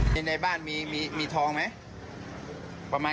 คุณยายไม่ได้เอาไฟหมดเลยค่ะ